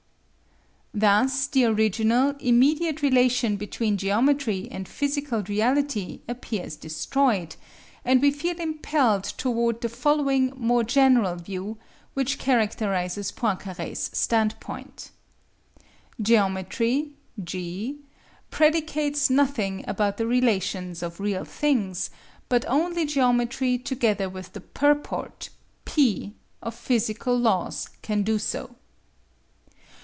Thus the original, immediate relation between geometry and physical reality appears destroyed, and we feel impelled toward the following more general view, which characterizes Poincare's standpoint. Geometry (G) predicates nothing about the relations of real things, but only geometry together with the purport (P) of physical laws can do so.